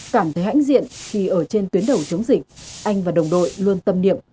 cảm thấy hãnh diện khi ở trên tuyến đầu chống dịch anh và đồng đội luôn tâm niệm